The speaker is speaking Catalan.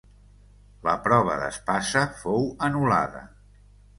La prova d'espasa fou anul·lada.